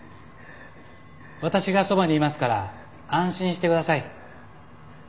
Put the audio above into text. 私がそばにいますから安心してください。